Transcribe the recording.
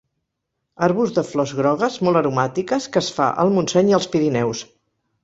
Arbust de flors grogues, molt aromàtiques, que es fa al Montseny i als Pirineus.